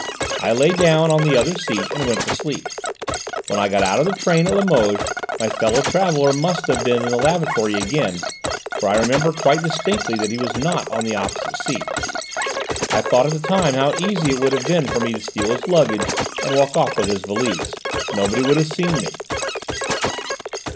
I lay down on the other seat and went to sleep. When I got out of the train at Limoges, my fellow traveller must have been in the lavatory again, for I remember quite distinctly that he was not on the opposite seat. I thought at the time how easy it would have been for me to steal his luggage and walk off with his valise: nobody would have seen me."